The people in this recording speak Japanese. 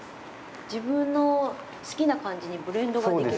自分の好きな感じにブレンドができる。